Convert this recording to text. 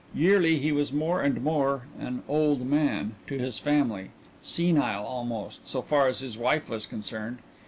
Yearly he was more and more an "old man" to his family senile almost, so far as his wife was concerned.